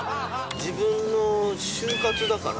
自分の終活だから。